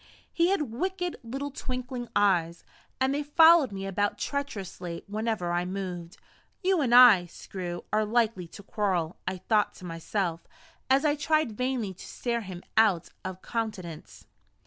He had wicked little twinkling eyes and they followed me about treacherously whenever I moved. "You and I, Screw, are likely to quarrel," I thought to myself, as I tried vainly to stare him out of countenance.